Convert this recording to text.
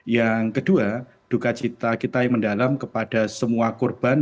yang kedua duka cita kita yang mendalam kepada semua korban